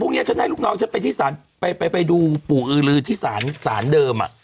พรุ่งนี้ฉันให้ลูกน้องดูปู่อืดลือที่ศาลเดิม